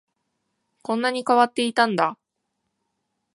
こんなに変わっていたんだ